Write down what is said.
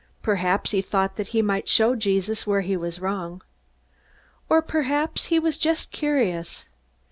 Perhaps he thought that he might show Jesus where he was wrong. Or perhaps he was just curious.